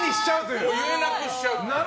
言えなくしちゃう。